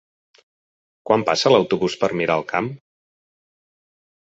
Quan passa l'autobús per Miralcamp?